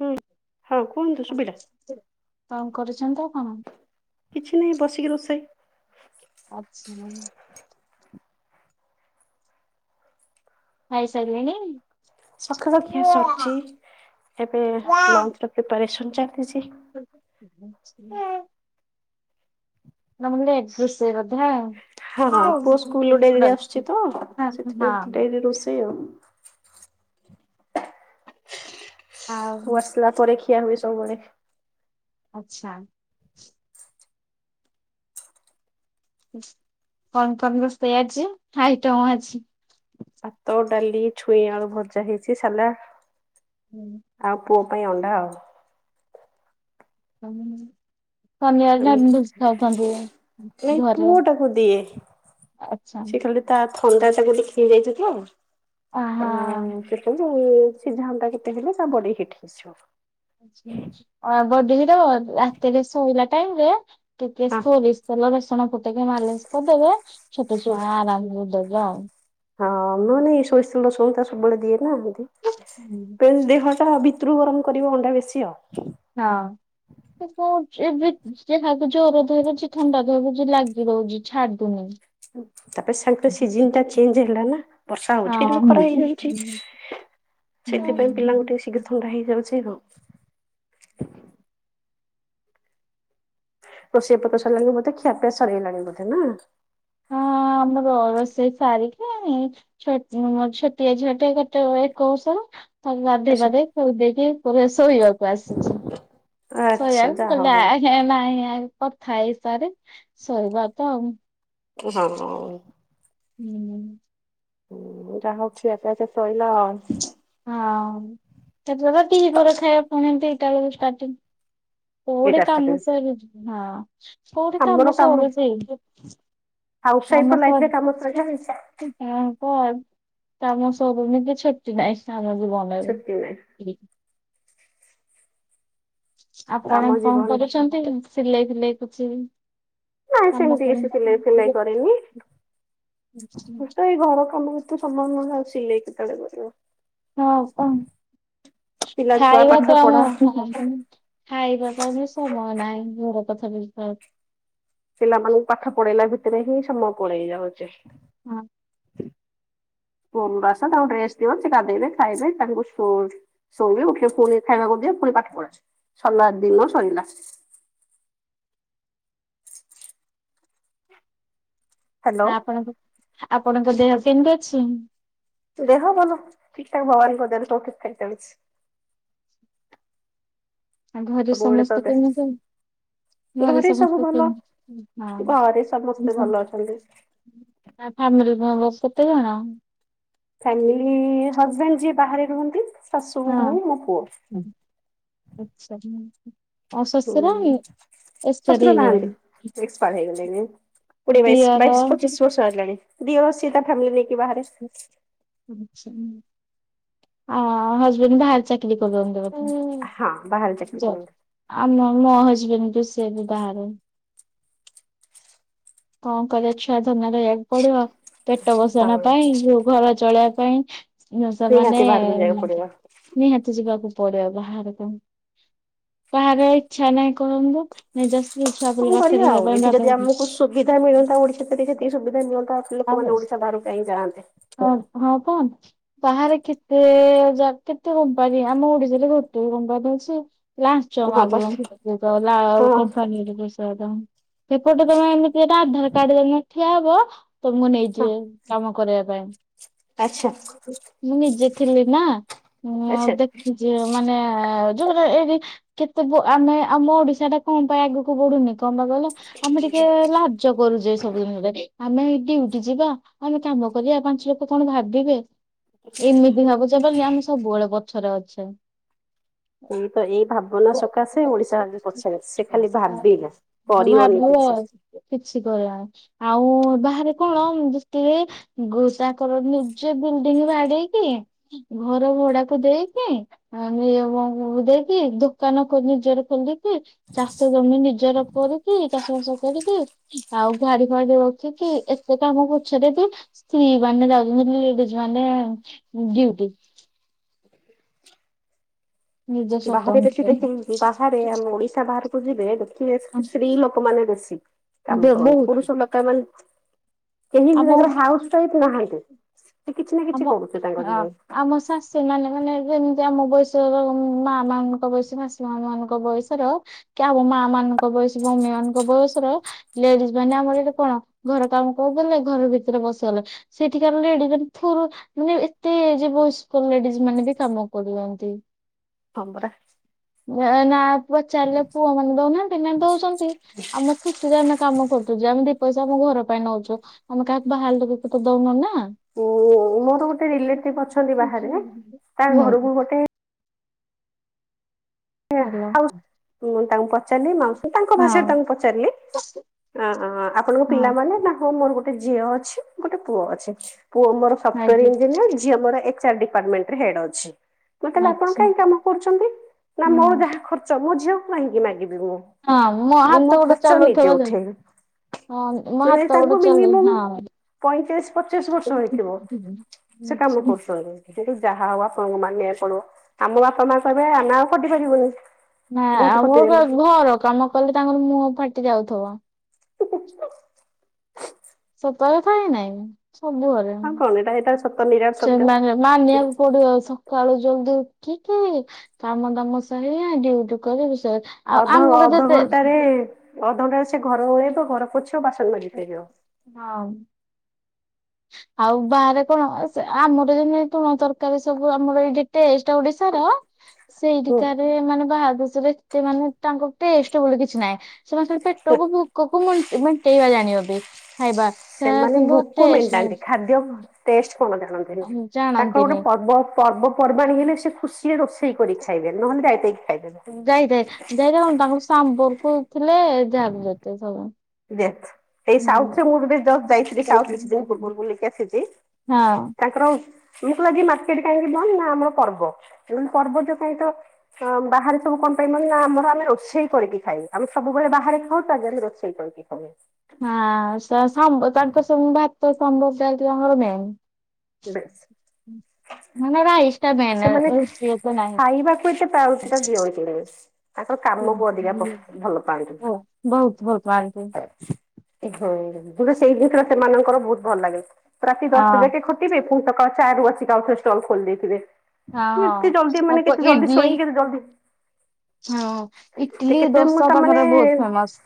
ହୁଁ। ହଁ କୁହନ୍ତୁ। ଶୁଭିଲା କଣ କରୁଛନ୍ତି ଆପଣ? କିଛି ନାହିଁ ବସିକି ରୋଷେଇ। ଆଚଛା। ଖାଇସାଇଲେନି। ସକାଳ ଖିଆ ସରିଛି ଏବେ ଲଞ୍ଚ ର ପ୍ରିପାରେସନ ଚାଲିଛି। [inaudible] [unintelligible] ହଁ ପୁଅ ସ୍କୁଲ ଡେରିରେ ଆସୁଛି ତ ସେଥିପାଇଁ [unintelligible] ଡେରି ରୋଷେଇ ଆଉ। ପୁଅ ଆସିଲା ପରେ ଖିଆ ହୁଏ ସବୁବେଳେ। ଆଚ୍ଛା। କଣ କଣ ରୋଷେଇ ଆଜି ଆଇଟମ ଅଛି? ଭାତ, ଡାଲି, ଛୁଇଁ ଆଳୁ ଭଜା ହେଇଚି, ସାଲା ହୁଁ। ଆଉ ପୁଅ ପାଇଁ ଅଣ୍ଡା ଆଉ। ହୁଁ ହୁଁ। ଶନିବାର [unintelligible] ନାଇଁ ଘରେ। ପୁଅ ଟାକୁ ଦିଏ ଆଚ୍ଛା। ସେ ଖାଲି ତା ଥଣ୍ଡା ଚାାଗ ଟିକ ହେଇଯାଇଛ ତ ଆ ସେ ସିଝାଟା ଅଣ୍ଡା କେତେ ହେଲେ ତା ବଡେଇ ହେଟ୍ ହେଇସିବ। ବଢିର ରାତିରେ ଶୋଇଲା ଟାଇମରେ ଟିକେ ହଁ ସରି ତେଲ ବେସୁଣ ଫୁଟେଇକି ମାଲିସ କରିଦବେ ଛୋଟ ଛୁଆ ଆରାମ ଦେବେ ଆଉ। ହଁ ମୁଁାନାଇ ସୋଷ ରସୁଣ ତା ସବୁବେଳେ ଦିଏ ନା ହୁଁ। ଏ ଦେହଟା କତରୁ ଗରମ କରିବ ଅଣ୍ଡା ବେଶୀ ଆଉ। ହଁ ଏବେ ଯହାକ ଜୋର ହବଛି ଥଣ୍ଡା ଧଥହଛି ଲାଗି ରହୁଛି ଛାଡୁନି ତାପରେ ସାଙ୍କର ହଁ। ସିଜନ ଟା ଚେଞ୍ଜ ହେଲା ନା ବର୍ଷା ହଉଛି ଏ ଖରା ହେଇଯାଉଛି ସେଥିପାଇଁ ପିଲାଙ୍କୁ ହଁ ଟିକେ ଶୀଘ୍ର ଥଣ୍ଡା ହେଇଯାଉଛି ତ ରୋେଇଆ ପ କସେଇ ଲାଗ ବୋତେ ଖିଆିଆ ସରାଇଲାାଗେ ବୋତେ ନା ଆମର ରୋଷେଇ ସାରିକିଣି ଛୋଟିଆ ଝିଅଟେ ଗୋଟେ ଏକଶ ତା ବାନ୍ଧି ଆଚ୍ଛା ମଧେ ସବୁ ଦେଇକି ପ ଶୋଇବାକୁ ଆସିଛି ଆଚ୍ଛା ଶୋଇଆ ମୁ ଯାହା କହିଲ ହଉ। ଆ କଥାଏସାରେ ଶୋଇବା ତ ଆଉ ହଁ ହୁଁ ହୁଁଟା ହଉଛି ଏକେସେ ଶୋଇଲା ହଉ ସେବା ଦିଇ ପରେ ଖାଇବା ପୁଣିତି ଦୁଇଟା ବେଳକୁ ଷ୍ଟାର୍ଟିଂ କୋଉଠେ କାମ ସ ହଁ କୋଉଠି ଆମର କାମ ସୁଛିାଇ ପାଉସାହି ପ ନାଥିଲରେ କାମିଲା ହେଇସ ତାପ ତାମ ସୁମତି ଛଟି ନହିଁ ସ ଛୁଟି ନାହିଁ। ବନେଇବେ ଆମ ଆପଣ କଣ ଜୀବନ କରୁଛନ୍ତି ସିଲେଇ ଫିଲେଇ କିଛି ନଁ କାମ ସେମିତି କର କି ସିଲେଇ ଫିଲାଇ କରିରେନି ମୁ ତ ଏଇ ଘର କାମରେ ତୁ ସମାନ ଆସିଲେ କେତେବେଳେ କରିବାିବ ହଁ କଣ ପିଲା ଛୁଆ ଖାଇବା ପାଠ ତ ପଢା ଆମ ଖାଇବା ପାଇଁ ବି ସମୟ ନାହିଁ ଘର କଥା ବୁଝିବାାରୁ ପିଲାମାନଙ୍କୁ ପାଠ ପଢେଇଲା ଭିତରେ ହିଁ ସମୟ ପଳେଇ ଯାଉଛି ହଁ ପରୁ ବାସ ତାଙ୍କୁ ଡ୍ରେସ ଦିଅ ସୋ ଦେେଇବେ ଖାଇବେ ତାଙ୍କୁ ଶୋ ଶୁୋଇବି ଉଠିକେ ପୁଣି ଖାଇବାକୁ ଦି ପୁଣି ପାଠ ପଢ ସରିଲା ଦିନ ସରିଲା ଆପଣଙ୍କ ଆପଣଙ୍କ ଦେହ ପନ୍ ଅଛି ଦେହ ଭଲ ଠିକ ଠାକ ଭଗବାନଙ୍କ ଦେଲେ ତୋ କେଠତ ଖ ଚାୁଛି ଆଉ ଘରେ ସବୁବେଳେ ତ ସମସ୍ତେ ଦେ କେମି ଯ ଘ ଘରେ ସବୁ ସମସ୍ତ ହଁ ଭଲ ଘରେ ସମସ୍ତେ ଭଲ ଅଛନ୍ତି। ଆ ଫ୍ୟାମିଲି ମେମ୍ବର କେତେ ଜଣ ଫାମିଲି ହଜବେଣ୍ଡ ଯିଏ ବାହାରେ ରୁହନ୍ତି ଶାଶୁ ହଉ ମୋ ପୁଅ ଆଚଛା ହୁଁ ହ ଏକ୍ସପାୟାର ଶଶୁର ନା ହେଇଗଲେଣି। ଏସପାର ହେଇଗଲେ କୋଡିଏ ବାଇଶ ଦିଅର ବାଇଶ ପଚିଶ ବର୍ଷ ହେଗଲାଣି ଦି ସିଏ ତା ଫ୍ୟାମିଲି ନେଇକି ବାହାରେ ଆଚଛା ହଁ ଆ ହଜବେଣ୍ଡ ବାହାରେ ଚାକିରି କରି ହଁ ବାହାର ଚାକଣ କରୁ ଆମ ମୋ ହଜବେଣ୍ଡକୁ ସେି ବି ବାହ କଣ କରିବା ଛୁଆ ଧନା ରକୁ ପଡିବ ପେଟ ବଷଣ ହଁ ପାଇଁଉ ଘର ଚଳେଇବା ପାଇଁ ସେ ନିହାତି ବାହାରକୁ ଯିବାକୁ ମମାନୋଗ ପଡିବ। ନିହାତି ଯିବାକୁ ପଡିବ ବାହାରକୁ। ବାହାରେ ଇଚ୍ଛା ନାହିଁ କହନ୍ତୁ ନାଇଁ ଜଶ ଛୁଆ କଣ ପୁର ରଥରେ କରିବା ଆଉ ରହିବା ପାଇଁ ଏଠି ବା ଯଦି [unintelligible] ଆମକୁ ସୁବିଧା ମିଳନ୍ତା ଓଡିଶାରେ ସେତିକି ସୁବିଧା ମିଳନ୍ତା, ଲୋକମାନେ ଓଡିଶା ବାହାରକୁ କଣ ପାଇଁ ଯାଆନ୍ତେ। ହଁ- ହଁ [unintelligible] ବାହାରେ କେତେ ଯା କେତେ କମ୍ପାନୀ, ଆମ ଓଡିଶାରେ ଗୋଟେ ବି କମ୍ପାନୀ ଅଛି। ଲାଞ୍ଚ ହଁ ବା ମାଗୁଚନ୍ତି [unintelligible] ହଁ କମ୍ପାନୀକୁ ଦୋଷ [unintelligible] ସେପଟେ ତମେ ଏମିତି, ଏଇଟା ଆଧାର କାର୍ଡ ଧରିକିନା ଠିଆ ହବ ତମକୁ ହଁ ନେଇଯିବେ କାମ କରିଆକୁ। ଆଚ୍ଛା ମୁଁ ନିଜେ ଥିଲି ନା, ମୁଁ ଆଉ ଆଚ୍ଛା। ଦେଖି ଯେ ମାନେ ଯୋଉରା ଏଇ କେତେ ଆମେ ଆମ ଓଡିଶାଟା କଣ ପାଇଁ ଆଗକୁ ବଢୁନି, କଣ ପାଇଁ କହିଲ? ଆମେ ଟିକେ ଲା ଜ କରୁଚେ ସବୁଦିନରେ, ଆମେ ଡିଉଟି ଯିବା ଆମେ କାମ କରିବା ପାଞ୍ଚ ଲୋକ କଣ ଭାବିବେ, ଏମିତି ଭାବୁଛେ ବୋଲିି ଆମେ ସବୁବେଳେ ପଛରେ ଅଛେ। ଏଇ ତ ଏଇ ଭାବନା ସକାଶେ ଓଡିଶା ଆ ପଛରେ ସେ ଖାଲି ଭାବିବ କରିିବନି ଭାବିବ ଆଉ କିଛି। କିଛି କଲାନି, ଆଉ ବାହାରେ କଣ ଯେଷତିକି ଗୋ ତାଙ୍କର ନିଜେ ବିଲଡିଙ୍ଗ ବାଡେଇକି, ଘର ଭଡାକୁ ଦେଇକି ଆ [unintelligible] ଦେଇକି ଦୋକାନ କ ନିଜର ଖୋଲିକି ଚାଷ ଜମି ନିଜର କରିକି, ଚାଷ ବାସ କରିକି ଆଉ ଗାଡି ଫାଡି ରଖିକି, ଏତେ କାମ ପଛରେ ବି ସ୍ତ୍ରୀ ମାନେ ଯାଉଚନ୍ତି ଲେଡିଜ ମାନେ ଡିୟୁଟି। ନିଜ ବାହାରେ ବେଶୀ ସ୍ୱତନ୍ତ୍ର ଦେଖି ବାହାରେ ଆମ ଓଡିଶା ବାହାରକୁ ଯିବେ, ଦେଖିବେ ସ୍ତ୍ରୀ ଲୋକମାନେ ବେଶୀ। କାମ କରନ୍ତି, ବହୁତ ପୁରୁଷ ଲୋକମାନେ କେହି ବି ଆମ ତାଙ୍କର ହାଉସ୍ ଟାଇପ ନାହାନ୍ତି। ସେ କିଛି ନା କିଛି କରୁ [unintelligible] ତାଙ୍କ [unintelligible] ସେମାନେ ମାନେ ଯେମିତି, ଆମ ବୟସର ମା ମାନଙ୍କ ବୟସ ସୀମା ସେମାନଙ୍କ ବୟସର କି ଆମ ମା ମାନଙ୍କ ବୟସ, ଭଉଣୀ ମାନଙ୍କ ବୟସର ଲେଡିଜ ମାନେ ଆମର ଆଡେ କଣ, ଘର କାମ କରଦେଲେ ଘର ଭିତରେ ବସିଗଲେ। ସେଠିକାର ଲେଡିଜ ଠାରୁ ମାନେ ଏତେ ଯେ ବଏସ୍କ ଲେଡିଜ ମାନେ ବି କାମ କରିଯାନ୍ତି। ହଁ ପରା। [unintelligible] ପଚାରିଲେ ପୁଅ ମାନେ ଦଉନାହାନ୍ତି, ନା ଦଉଛନ୍ତି ଆମ ଖୁସିରେ ଆମ କାମ କରଦଉଚୁ। ଆମେ ପଇସା ଆମ ଘର ପାଇଁ ନଉଛୁ, ଆମେ କାହାକୁ ବାହାର ଲୋକକୁ ତ ଦଉନୁ ନା। ଉଁ ମୋର ଗୋଟେ ରିଲେଟିଭ ଅଛନ୍ତି ବାହାରେ, ତାଙ୍କ ଘରକୁ ଗୋଟେ ଉଁ [unintelligible] ମୁଁ ତାଙ୍କୁ ପଚାରିଲି, ମାଉସି ତାଙ୍କ ଭାଷାରେ ତାଙ୍କୁ ପଚାରିଲି। ଆଁ -ଆପଣଙ୍କ ପିଲାମାନେ, ନାଁ ହଁ ମୋର ଗୋ ଗୋଟେ ଝିଅ ଅଛି, ଗୋଟେ ପୁଅ ଅଛି। ପୁଅ ମୋର ସଫ୍ଟୱାର ମ୍ୟାଜିକ୍ ଇଞ୍ଜିନିୟର୍ ଝି ଝିଅ ମୋର ଏଚ ଆର ଡିପାର୍ଟମେଣ୍ଟ ରେ ହେଡ୍ ଅଛି। ମୁଁ କହିଲି ତାହେଲେ ଆପଣ ମ୍ୟାଚିଂ। କାଇଁ କାମ କରୁଛନ୍ତି? ନା ହୁଁ ମୋର ଯାହା ଖର୍ଚ୍ଚ ମୋ ଝିଅକୁ କାହିଁକି ମାଗିବି ମୁଁ। ହ୍ୟାଲୋ ହଁ ହଁ ହଁ ହଁ ମୁଁ ହାତ ମୋ ଗୋଟେ ଖର୍ଚ୍ଚ ଚଲଉଥିବ ନିଜେ ଯେ- ହଁ ମୋ ଉଠେଇବି। ହାତ ନାଇଁ ଗୋଟେ ତାଙ୍କୁ ଚଲଉ ମିନିମମ୍ ହଁ। ପଇଁତିରିଶ ପଚାଶ ବର୍ଷ ଆଛା ହେଇଥିବ। ସେ କାମ କରୁଛନ୍ତି। କିନ୍ତୁ ଯାହା ହଉ ଆପଣଙ୍କୁ ମାନିଆକୁ ପଡିବ, ଆମ ବାପା ମା କହିବେ ଆମେ ଆଉ ଖଟି ପାରିବୁନି। ନା ବହୁତ ଆଉ ମୋର ଖଟିଦେଲୁ। ଘର କାମ କଲେ ତାଙ୍କର ମୁହଁ ଫାଟି ଯାଉଥବ। ସତ କଥା ନାଁ ନାଇଁ ସବୁ ଘରେ। ଆଉ କଣ ଏଇଟା ଏଇଟା ସତ ନିରାଟ ସେ ମାନେ ସତ୍ୟ। ମାନିଆକୁ ପଡିବ ସ ସଖାଳୁ ଜଲଦି ଉଠିକି, କାମ ଦାମ ସରିଆ ଡିଉଟି କରି ବସିଆ ଅଧ ଅଧଘଣ୍ଟାରେ, ଅଧଘଣ୍ଟାରେ ସେ ଘର ଓଳେଇବ ଘର ପୋଛିବ ବାସନ ମାଜି ପାରିବ। ହଁ। ଆଉ ବାହାରେ କଣ ସେ ଆମର ଯେମିତି, ତୁଅଣ ତରକାରୀ ସବୁ ଆମର ଏଇଠି ଟେଷ୍ଟ ଓଡିଶାର ହୁଁ ସେଇଠିକାରେ ମାନେ ବାହାର ଦେଶରେ, ଏତେ ମାନେ ତାଙ୍କେ ଟେଷ୍ଟ ବୋଲି କିଛି ନାହିଁ। ସେମାନେ ଖାଲି ପେଟକୁ ଭୋକକୁ ମେଣ୍ଟେ ମେଣ୍ଟେଇବା ଜାଣିଚନ୍ତି। ଖାଇବା ସେ ସେମାନେ କିନ୍ତୁ ଭୋକ ମେନ୍ ଟେଷ୍ଟ ନାହିଁ ଟାନ୍ତି ଖାଦ୍ୟ ଟେଷ୍ଟ କଣ ଜାଣନ୍ତିନି ତାଙ୍କର ଗୋଟେ ଜାଣନ୍ତିନି। ପର୍ବ, ପର୍ବ ପର୍ବାଣି ହେଲେ ସେ ଖୁସି ରେ ରୋଷେଇ କରି ଖାଇବେ ନହଲେ ଯାଇ ତାହିକି ଖାଇଦେବେ। ଯାଇତାହି ଯାଇତାହି କଣ ତାଙ୍କର ସାମ୍ବର କହୁଥିଲେ ଯାହାକୁ ଯେତେ ସବୁ। ଯେଥ୍ ସେଇ ସାଉଥ୍ ହଁ। ରେ ମୁଁ ଏବେ ଜଷ୍ଟ ଯାଇଥିଲି ସାଉଥ୍ କିଛିଦିନ ପୁର୍ବରୁ ବୁଲିକି ଆସିଛି। ତାଙ୍କର ମୁଁ କହିଲି ଆଜି ମାର୍କେଟ୍ କାହିଁକି ନା ବନ୍ଦ ନା ଆମର ପର୍ବ, ତେଣୁ ପର୍ବ ଯେ କାହିଁ ତ ତମ୍ ବାହାରେ ସବୁ କଣ ପାଇଁ ବନ୍ଦ୍ ନା ଆମର ଆମେ ରୋଷେଇ କରିକି ଖାଇବୁ ଆଉ ସବୁବେଳେ ବାହାରେ ଖାଉ ତା ଦେହରେ ରୋଷେଇ କରୁ। କି [unintelligible] ହଁ ସସ୍ ହଁ ବ ତାଙ୍କର ସବୁ ଭାତ ସାମ୍ବର୍ ଯା ଯେ ତାଙ୍କର ମେନ୍। ବେସ୍। ହୁଁ। ସେମାନେ ଏତେ ନାହିଁ। ଖାଇବାକୁ ଏତେ ପ୍ରାଉରୁଟି ଟା ଦିଅନ୍ତିନି। ତାଙ୍କ କାମକୁ ଅଧିକା ପ ଭଲ ପାଆନ୍ତି। ଭଲ ପାଆନ୍ତି ହୁଁ [unintelligible] ଗୁଟେ ସେଇ ଜିନିଷଟା ସେମାନଙ୍କର ବୋହୁତ ଭଲ ଲାଗେ। ରାତି ଦଶ ହଁ। ଯାକେ ଖ କରିବେ ପୁଣି ସକାଳ ଚାରିରୁ ବସିକି ଆଉ ଥରେ ଷ୍ଟଲ୍ ଖୋଲି ଦେଇଥିବେ। ମୁଁ ଏତେ ହଁ ଜଲ୍ଦିମାନେ ତାଙ୍କ କେତେ ଜଲ୍ଦି ଇଡଲି ଶୋଇକି କେତେ ଜଲ୍ଦି ହଁ ଇଟ୍ ଲିି କେତେ ମୁଁ ଦୋସା ତାମାନେ ତାଙ୍କର ବୋହୁତ୍ ଫେମସ।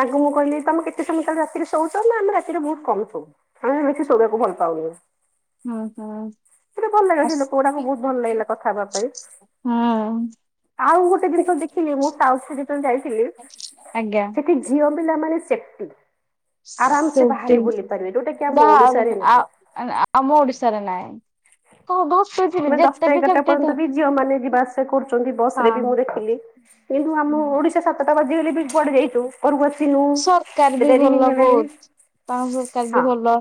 ତାଙ୍କୁ ମୁଁ କହିଲି ତମେ କେତେ ସମୟ ତାହେଲେ ରାତିରେ ଶୋଉଛ? ନା ଆମେ ରାତିରେ ବୋହୁତ୍ କମ୍ ଶୋଉ। ଆମେ ବି ବେଶୀ ଶୋଇବାକୁ ଭଲ ପାଉନୁ। ହୁଁ ହୁଁ। ସେଟା ଭଲ ଲାଗିଲା ସେ ଆସ୍ ଲୋକ ଗୁଡ଼ାକୁ ହୁଁ ବୋହୁତ୍ ଭଲ ଲାଗିଲା କଥା ହବା ପାଇଁ। ଆଉ ଗୋଟେ ଜିନିଷ ଦେଖିଲି ମୁଁ ସାଉଥ୍ [unintelligible] ଯେତେବେଳେ ଯାଇଥିଲି ଆଜ୍ଞା। ସେଠି ଝିଅ ପିଲା ମାନେ ସେଫ୍ଟି। ଆରାମ ସେ ସେମତି ବାହାରେ ବୁଲି ପାରିବେ ଯୋଉଟା କି ଆମ ଓଡ଼ିଶାରେ ନାହିଁ। ଆ-ଆମ ଓଡ଼ିଶାରେ ନାଇଁ। କ ଗ [unintelligible] ମାନେ ଦଶ୍ ଟା ଏଗାର୍ ଟା ପର୍ଯ୍ୟନ୍ତ ବି ଝିଅମାନେ ଯିବା ଆସିବା କରୁଛନ୍ତି ବସ୍ ରେ ହଁ। ବି ମୁଁ ଦେଖିଲି। କିନ୍ତୁ ଆମ ଓଡ଼ିଶା ସାତଟା ବାଜିଗଲେ ବି ଯୁଆଡ଼େ ଯାଇଚୁ ଘରକୁ ଆସିନୁ ସରକାର ବି ଡେରି ଭଲ ହେଇଗଲାଣି ବୋହୁତ୍ ତାଙ୍କ ସରକାର ବି ହଁ ଭଲ।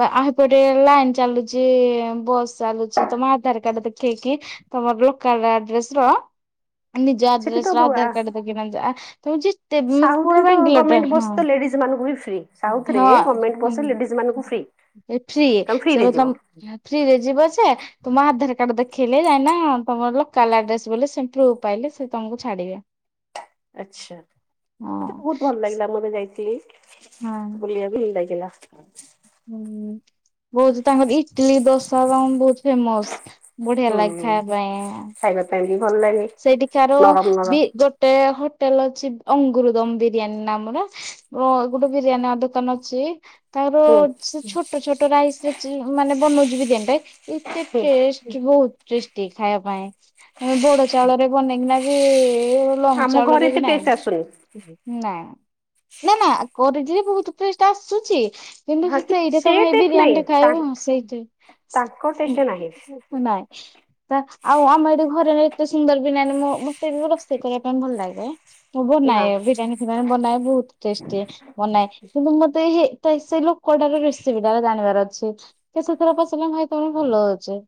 ବା ଆ ହେପଟେ ଲାଇନ୍ ଚାଲୁଛି, ବସ୍ ଚାଲୁଛି ତମ ଆଧାର କାର୍ଡ ଦେଖେଇକି। ତମ ଲୋକାଲ୍ ଆଡ୍ରେସର ନିଜ ସେଠି ତ ଆଡ୍ରେସର ଆ ଆଧାର କାର୍ଡ ଦେଖେଇବା ପାଇଁ ଯା ତମେ ଯେତେ ପୁରା ବେଙ୍ଗଲୋର୍ ଗମେଣ୍ଟ ବସ୍ ତ ଲେଡିଜ୍ ମାନଙ୍କୁ ବି ଫ୍ରୀ। ସାଉଥ୍ ରେ ହଁ ଗମେଣ୍ଟ ବସ୍ ରେ ଲେଡିଜ୍ ମାନଙ୍କୁ ଫ୍ରି। ଏ ଫ୍ରି ତମେ ସେ ଫ୍ରିରେ ଯିବ। ମତଲବ୍ ଫ୍ରିରେ ଯିବା ଆସିବା। ତୁମ ଆଧାର କାର୍ଡ ଦେଖେଇଲେ ଯାକିଇନା ତମ ଲୋକାଲ୍ ଆଡ୍ରେସ୍ ବୋଲି ସେ ପ୍ରୁଭ ପାଇଲେ ସେ ତମକୁ ଛାଡ଼ିବେ। [inaudible] ଆଚ୍ଛା ମତେ ହଁ ବୋହୁତ ଭଲ ଲାଗିଲା ମୁଁ ଏବେ ଯାଇଥିଲି ହଁ ବୁଲିବାକୁ। ଭଲ ଲାଗିଲା। ହୁଁ। ବୋହୁତ ତାଙ୍କର ଇଟିଲି ଦୋସା ତଙ୍କ ବୋହୁତ ଫେମସ ବଢିଆ ଲାଗେ ଖାଇବା ପାଇଁ। ମେଁ ବି ଭଲ ଲାଗେ। ସେଇଠିକାର ନରମ ନରମ ବି ଗୋଟେ ହୋଟେଲ ଅଛି। ଅଙ୍ଗୁରଦମ ବିରିୟାନୀ ନାମର ଓ ଗୋଟେ ବିରିୟାନୀ ଆ ଦୋକାନ ଅଛି। ତାର ହୁଁ ସେ ଛୋଟ ଛୋଟ ରାଇସରେ ଚି ମାନେ ବନଉଛି ବିରୀୟାନିଟା ଏତେ ହୁଁ ଟେଷ୍ଟ କି ବୋହୁତ ଟେଷ୍ଟି ଖାଇବା ପାଇଁ ଆମେ ବଡ଼ ଚାଉଳରେ ବନେଇକିନା ବି [unintelligible] ଲଙ୍ଗ୍ ଆମ ଘରେ ଚାଉଳରେ ବି ଏତେ ଟେଷ୍ଟ ନାହିଁ। ଆସୁନି ନା ନା ନା କରିଛି ବେହୁତ ଟେଷ୍ଟ୍ ଆସୁଛି। କିନ୍ତୁ ହଁ ସେ କି ସେଇଟା ତମେ ଏ ଟେଷ୍ଟ ନାହିଁ ବିରିୟାନୀଟେ ତା ଖାଇବ ସେଇଠେ। ତାଙ୍କ ଟେଷ୍ଟ ନାହିଁ ନାଇଁ ତ ଆଉ ଆମ ଏଠି ଘରେ ସୁନ୍ଦର ବିରୟାନି ମ ମୋତେ ବି ରୋଷେଇ କରିବା ପାଇଁ ଭଲ ଲାଗେ ମୁଁ ହଁ ବନାଏ ବିରିୟାନି। ବିରିୟାନି ବନାଏ ବହୁତ ଟେଷ୍ଟି। ବନାଏ କିନ୍ତୁ ମତେ ହେ ସେ ଲୋକଟାର ରେସିପିଟା ଜାଣିବାର ଅଛି। କେ ସୁଥିର ପାଚିଲା ଭାଇ ତମେ ଭଲ ଅଛି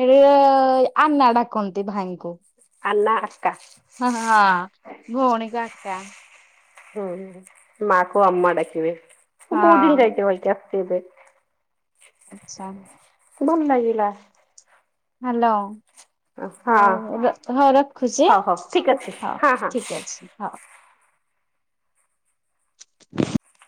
ହେଠି ଏଁ ଆନା ଡାକନ୍ତି ଭାଇଙ୍କୁ। ଆନା ଆକା। ଆଁ ହଁା ଭଉଣୀକୁ ଆକା। ହୁଁ ମାକୁ ଅମା ଡାକିବେ। ମୁଁ ହଁ ବହୁତ ଦିିନ ଯାଇ [unintelligible] ତେବେ ଆଛା। ଭଲ ଲାଗିଲା। ହ୍ୟାଲୋ। ହଁ ହଉ ରଖୁଛି ହଉ ହଉ ଠିକ ଅଛି ହଉ ହଁ ହଁ ଠିକ ଅଛି ହଉ। ହଁ।